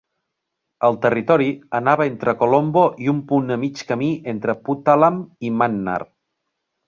El territori anava entre Colombo i un punt a mig camí entre Puttalam i Mannar.